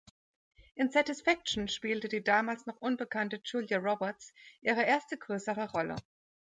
In „Satisfaction“ spielte die damals noch unbekannte Julia Roberts ihre erste größere Rolle.